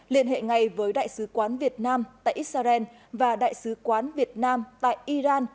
liên hệ ngay với đại sứ quán việt nam tại israel và đại sứ quán việt nam tại iran